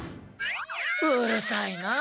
うるさいなあ。